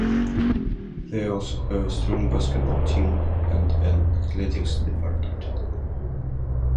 They also have a strong basketball team and an athletics department.